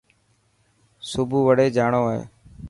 سڀو وڙي جاڻو هي.